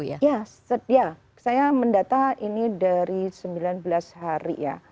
ya sedia saya mendata ini dari sembilan belas hari ya